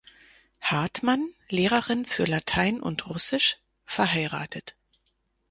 Hartmann, Lehrerin für Latein und Russisch, verheiratet.